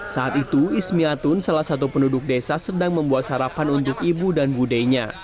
saat itu ismiatun salah satu penduduk desa sedang membuat sarapan untuk ibu dan budenya